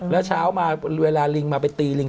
แล้วเช้ามาเวลาลิงมาไปตีลิง